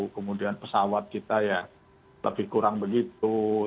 kemudian pesawat kita ya lebih kurang begitu